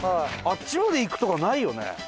あっちまで行くとかないよね？